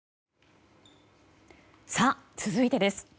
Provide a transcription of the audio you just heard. さあ、続いてです。